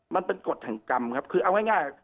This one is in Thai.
มันเป็นกฎแห่งกรรมครับคือเอาง่าย